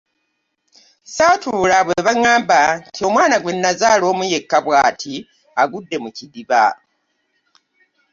Saatuula bwebangamba nti omwana gwenazaala omuyekka bwati agudde mu kidiba.